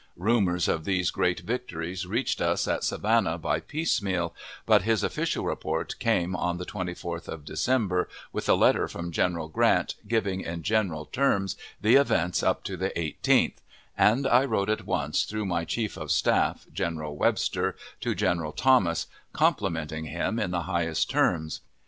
Rumors of these great victories reached us at Savannah by piecemeal, but his official report came on the 24th of December, with a letter from General Grant, giving in general terms the events up to the 18th, and I wrote at once through my chief of staff, General Webster, to General Thomas, complimenting him in the highest terms.